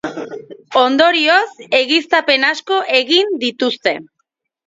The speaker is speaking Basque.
Ondorioz, egiaztapen asko egin dituzte.